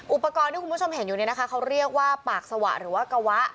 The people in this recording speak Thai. อุปกรณ์ที่คุณผู้ชมเห็นอยู่เนี่ยนะคะเขาเรียกว่าปากสวะหรือว่ากะวะ